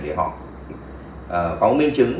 để họ có miên chứng